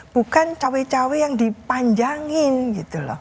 bukan cowok cowok yang dipanjangin gitu loh